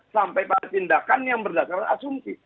sampai pada tindakan yang berdasarkan asumsi